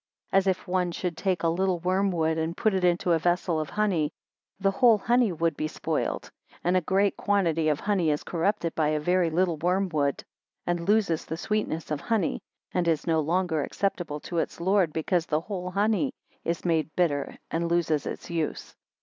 5 As if one should take a little wormwood, and put it into a vessel of honey, the whole honey would be spoiled; and a great quantity of honey is corrupted by a very little wormwood, and loses the sweetness of honey, and is no longer acceptable to its Lord because the whole honey is made bitter, and loses its use.